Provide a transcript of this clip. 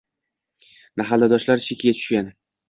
Mahalladoshlari chekiga tushgan